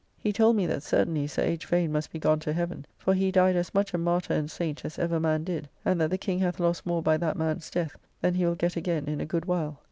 He told me that certainly Sir H. Vane must be gone to Heaven, for he died as much a martyr and saint as ever man did; and that the King hath lost more by that man's death, than he will get again a good while.